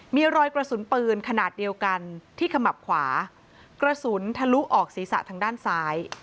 มีรอยกระสุนปืนขนาดเดียวกันที่ขมับขวากระสุนทะลุออกศีรษะทางด้านซ้าย